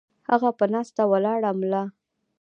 هغه پۀ ناسته ولاړه ملا